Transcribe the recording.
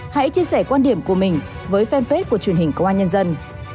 hãy chia sẻ quan điểm của mình với fanpage của truyền hình công an nhân dân